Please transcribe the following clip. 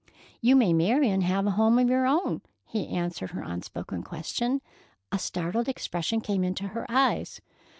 "You may marry and have a home of your own," he answered her unspoken question. A startled expression came into her eyes.